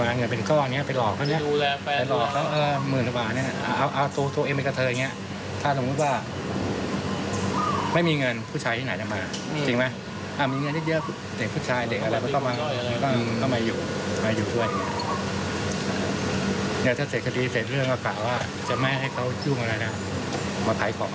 มาไขของครับผม